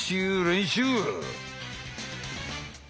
練習！